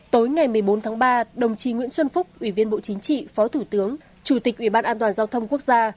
tối ngày một mươi bốn tháng ba đồng chí nguyễn xuân phúc ủy viên bộ chính trị phó thủ tướng chủ tịch ủy ban an toàn giao thông quốc gia